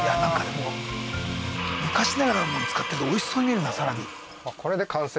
もう昔ながらのもの使ってるとおいしそうに見えるなさらにこれで完成？